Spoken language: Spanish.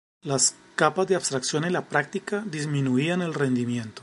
Las capas de abstracción, en la práctica, disminuían el rendimiento.